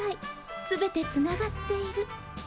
全てつながっている。